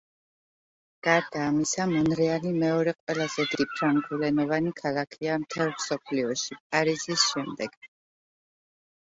გარდა ამისა, მონრეალი მეორე ყველაზე დიდი ფრანგულენოვანი ქალაქია მთელ მსოფლიოში, პარიზის შემდეგ.